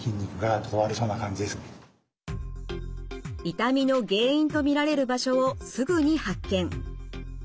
痛みの原因と見られる場所をすぐに発見。